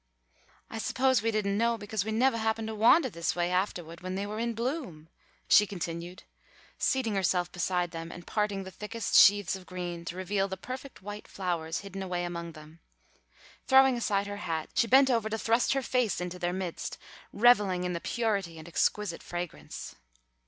"I suppose we didn't know because we nevah happened to wandah this way aftahward when they were in bloom," she continued, seating herself beside them and parting the thickest sheaths of green to reveal the perfect white flowers hidden away among them. Throwing aside her hat, she bent over to thrust her face into their midst, revelling in the purity and exquisite fragrance.